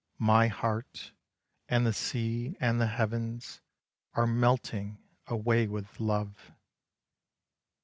My heart, and the sea, and the heavens Are melting away with love.